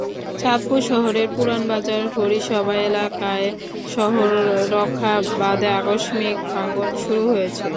চাঁদপুর শহরের পুরানবাজার হরিসভা এলাকায় শহর রক্ষা বাঁধে আকস্মিক ভাঙন শুরু হয়েছে।